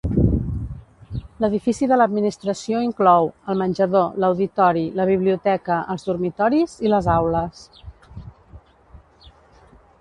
L'edifici de l'administració inclou: el menjador, l'auditori, la biblioteca, els dormitoris i les aules.